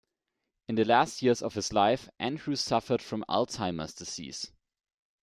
In the last years of his life, Andrews suffered from Alzheimer's disease.